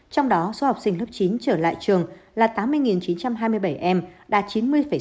trong đó số học sinh lớp chín trở lại trường là tám mươi chín trăm hai mươi bảy em đạt chín mươi sáu